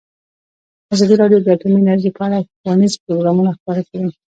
ازادي راډیو د اټومي انرژي په اړه ښوونیز پروګرامونه خپاره کړي.